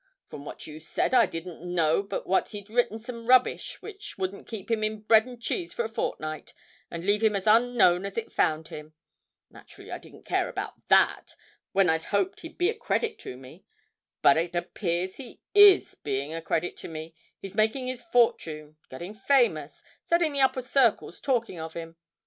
From what you said I didn't know but what he'd written some rubbish which wouldn't keep him in bread and cheese for a fortnight, and leave him as unknown as it found him. Naterally I didn't care about that, when I'd hoped he'd be a credit to me. But it appears he is being a credit to me he's making his fortune, getting famous, setting the upper circles talking of him.